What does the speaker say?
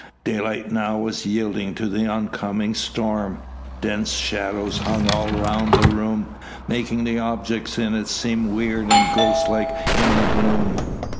Daylight now was yielding to the oncoming storm. Dense shadows hung all round the room, making the objects in it seem weird and ghost like in the gloom.